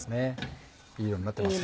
いい色になってますね。